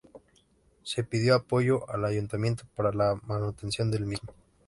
Se pidió apoyo al ayuntamiento para la manutención del mismo.